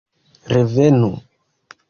Revenu!